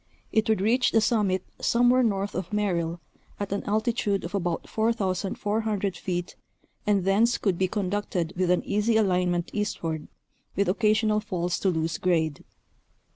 It would reach the summit somewhere north of Merrill at an altitude of about 4,400 feet and thence could be conducted with an easy alignment eastward, with occa sional falls to loose grade.